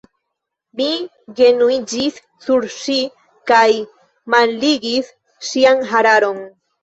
Mi genuiĝis sur ŝi kaj malligis ŝian hararon.